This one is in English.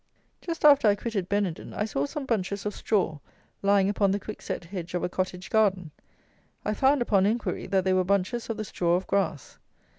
Just after I quitted Benenden, I saw some bunches of straw lying upon the quickset hedge of a cottage garden. I found upon inquiry, that they were bunches of the straw of grass.